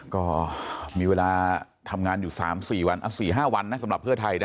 ก็มีเวลาทำงานอยู่๓๔๕วันนะสำหรับเพื่อไทยนะ